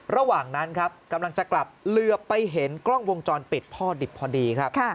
ระหว่างนั้นครับกำลังจะกลับเหลือไปเห็นกล้องวงจรปิดพ่อดิบพอดีครับ